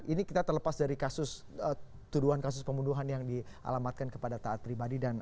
ini kita terlepas dari kasus tuduhan kasus pembunuhan yang dialamatkan kepada taat pribadi